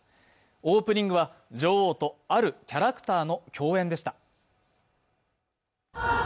オープニングは女王とあるキャラクターの共演でした。